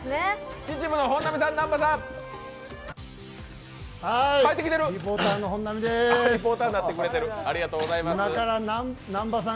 秩父の本並さん、南波さん。